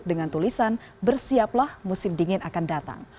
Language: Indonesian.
dengan tulisan bersiaplah musim dingin akan datang